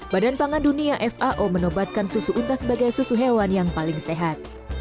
badan pangan dunia fao menobatkan susu unta sebagai susu hewan yang paling sehat